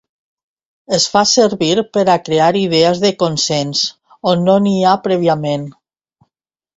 Es fa servir per a crear idees de consens on no n'hi ha prèviament.